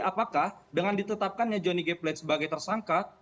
apakah dengan ditetapkannya johnny g plat sebagai tersangka